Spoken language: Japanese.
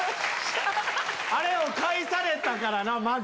あれを返されたからなまず。